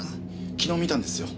昨日見たんですよ。